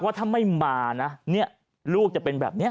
ว่าถ้าไม่มานะลูกจะเป็นแบบนี้